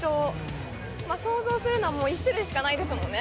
想像するのは１種類しかないですもんね。